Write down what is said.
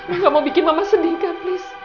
kamu gak mau bikin mama sedih kan please